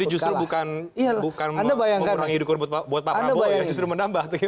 jadi justru bukan mengurangi hidup buat pak prabowo yang justru menambah